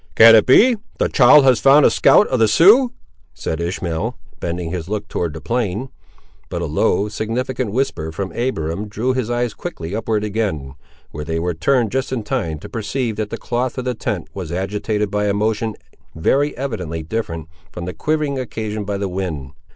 "Can it be, the child has found a scout of the Siouxes?" said Ishmael, bending his look toward the plain; but a low, significant whisper from Abiram drew his eyes quickly upward again, where they were turned just in time to perceive that the cloth of the tent was agitated by a motion very evidently different from the quivering occasioned by the wind.